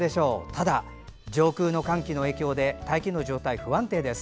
ただ上空の寒気の影響で大気の状態は不安定です。